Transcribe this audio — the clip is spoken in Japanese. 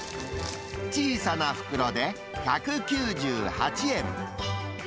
小さな袋で１９８円。